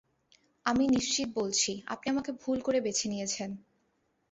আমি নিশ্চিত বলছি, আপনি আমাকে ভুল করে বেছে নিয়েছেন।